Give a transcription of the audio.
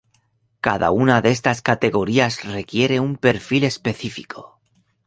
Cada una de estas categorías requiere un perfil específico.